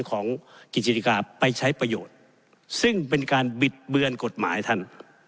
ของกิจิกาไปใช้ประโยชน์ซึ่งเป็นการบิดเบือนกฎหมายท่าน